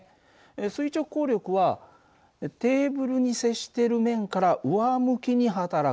垂直抗力はテーブルに接している面から上向きに働く。